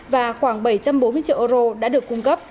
và khoảng bảy trăm bốn mươi triệu euro đã được cung cấp